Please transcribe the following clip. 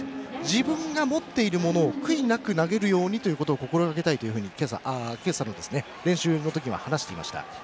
自分が持っているものを悔いなく投げるように心がけたいと今朝、練習の時は話していました。